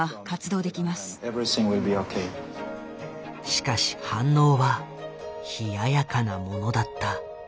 しかし反応は冷ややかなものだった。